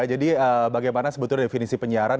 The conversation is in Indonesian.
jadi bagaimana sebetulnya definisi penyiaran